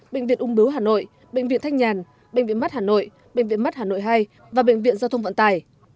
bệnh viện ung bưu hà nội bệnh viện thanh nhàn bệnh viện mắt hà nội bệnh viện mắt hà nội hai và bệnh viện giao thông vận tải